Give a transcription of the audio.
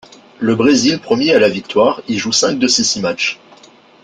Le Brésil, promis à la victoire, y joue cinq de ses six matchs.